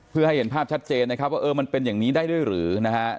เพื่อให้เห็นภาพชัดเจนนะครับว่าเออมันเป็นอย่างนี้ได้ด้วยหรือนะฮะ